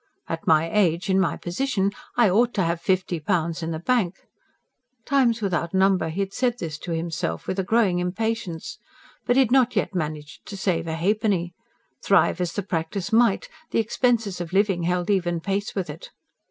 "At my age, in my position, I OUGHT to have fifty pounds in the bank!" times without number he had said this to himself, with a growing impatience. But he had not yet managed to save a halfpenny. Thrive as the practice might, the expenses of living held even pace with it.